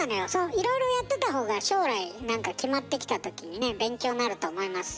いろいろやってた方が将来なんか決まってきた時にね勉強になると思いますよ。